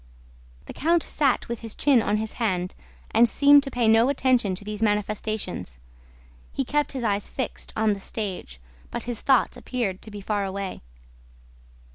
The count sat with his chin on his hand and seemed to pay no attention to these manifestations. He kept his eyes fixed on the stage; but his thoughts appeared to be far away.